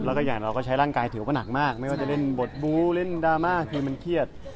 แล้วก็อย่างเราก็ใช้ร่างกายถือว่าหนักมากไม่ว่าจะเล่นบทบูเล่นดราม่าคือมันเครียด